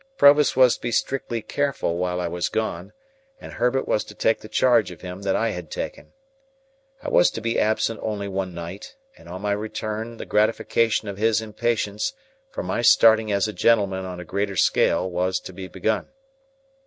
Provis was to be strictly careful while I was gone, and Herbert was to take the charge of him that I had taken. I was to be absent only one night, and, on my return, the gratification of his impatience for my starting as a gentleman on a greater scale was to be begun.